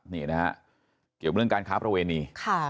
นี่นะฮะเกี่ยวเรื่องการค้าประเวณี